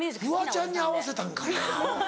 フワちゃんに合わせたんかな。